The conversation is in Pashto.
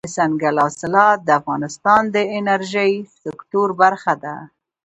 دځنګل حاصلات د افغانستان د انرژۍ سکتور برخه ده.